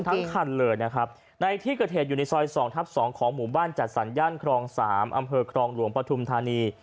ทั้งคันเลยนะครับในที่เกิดเหตุอยู่ในซอย๒ทับ๒ของหมู่บ้านจัดสรรย่านครอง๓อำเภอครองหลวงปฐุมธานี